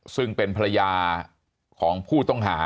มีความรู้สึกว่า